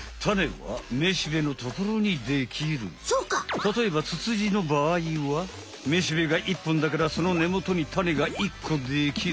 たとえばツツジのばあいはめしべが１ぽんだからそのねもとにタネが１こできる。